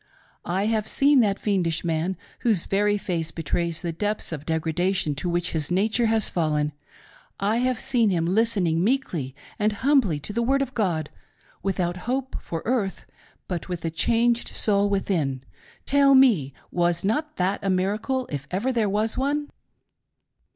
I have seen that fiendish man, whose very face betrays the depths of degradation to which his nature has fallen — I have seen him listening meekly and humbly to the word of God — without hope for earth, but with a changed soul within. Tell me, was not that a miracle if ever there was one.'